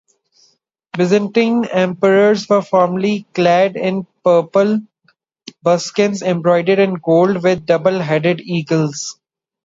Byzantine emperors were formally clad in purple buskins, embroidered in gold with double-headed eagles.